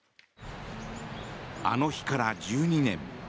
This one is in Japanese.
あの日から１２年。